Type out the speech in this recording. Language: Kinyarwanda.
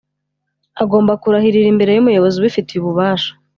Agomba kurahirira imbere y’umuyobozi ubifitiye ububasha